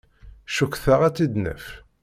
Cukkteɣ ad tt-id-naf.